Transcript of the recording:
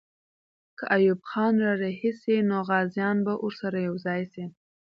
که ایوب خان را رهي سي، نو غازیان به ورسره یو ځای سي.